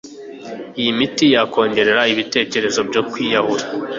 iyi miti yakongerera ibitekrezo byo kwiyahura,